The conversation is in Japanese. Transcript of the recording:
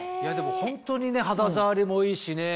ホントにね肌触りもいいしね。